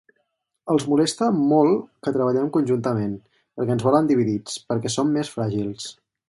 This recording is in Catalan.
Els molesta molt que treballem conjuntament, perquè ens volen dividits, perquè som més fràgils.